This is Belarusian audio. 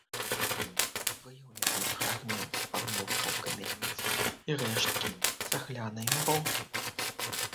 Выяўлены фрагменты падмуркаў камяніц і рэшткі цаглянай муроўкі.